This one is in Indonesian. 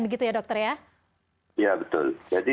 begitu ya dokter ya betul jadi